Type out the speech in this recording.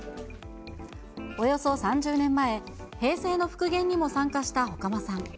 およそ３０年前、平成の復元にも参加した外間さん。